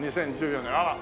２０１４年ああ！